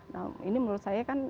nah ini menurut saya kan